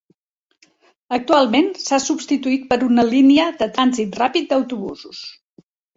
Actualment, s'ha substituït per una línia de trànsit ràpid d'autobusos.